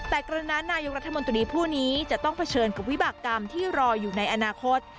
แต่กรณีนายกรัฐมนตรีผู้นี้จะต้องเผชิญกับวิบากรรมที่รออยู่ในอนาคต